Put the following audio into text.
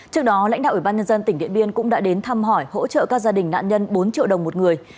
trước đó lãnh đạo ủy ban nhân dân tỉnh điện biên cũng đã đến thăm hỏi hỗ trợ các gia đình nạn nhân bốn triệu đồng một người